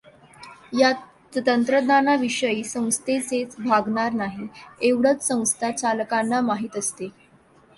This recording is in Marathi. या तंत्रज्ञानाशिवाय संस्थेचं भागणार नाही, एवढंच संस्था चालकांना माहीत असते.